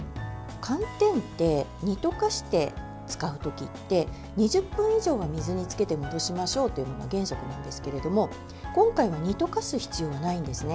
寒天って煮溶かして使う時って２０分以上は水につけて戻しましょうというのが原則なんですけれども今回、煮溶かす必要はないんですね。